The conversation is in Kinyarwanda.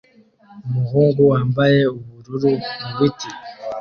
Umuhungu wambaye ubururu mu biti